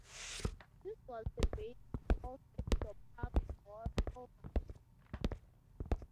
This was the basis of the Indo-Pak wars over Kashmir.